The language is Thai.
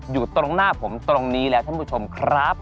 อยู่ตรงหน้าผมตรงนี้แล้วท่านผู้ชมครับ